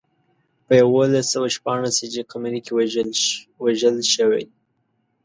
په یولس سوه شپاړس هجري قمري کې وژل شوی.